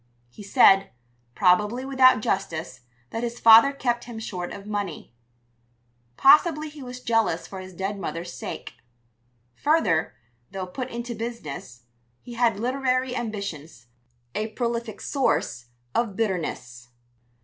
He said probably without justice that his father kept him short of money. Possibly he was jealous for his dead mother's sake. Further, though put into business, he had literary ambitions a prolific source of bitterness.